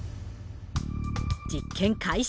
実験開始。